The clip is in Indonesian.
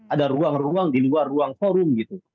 ada ruang ruang di luar ruang forum gitu